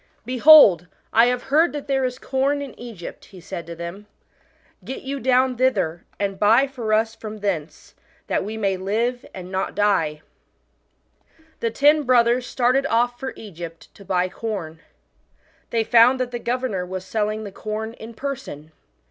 21 " Behold, I have heard that there is corn in Egypt," he said to them :" get you down thither, and buy for us from thence ; that we may live, and not die." The ten brothers started off for Egypt to buy corn. They found that the governor was selling the corn in person.